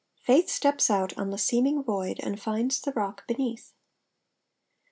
* "_Faith steps out on the seeming void and finds the Rock beneath.